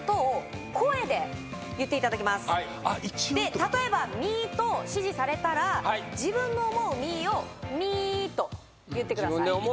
例えば「ミ」と指示されたら自分の思う「ミ」を「ミー」と言ってください